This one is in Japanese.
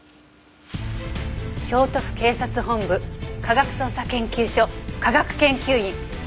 「京都府警察本部科学捜査研究所化学研究員宇佐見裕也」